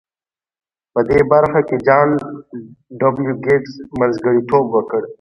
په دې برخه کې جان ډبلیو ګیټس منځګړیتوب وکړ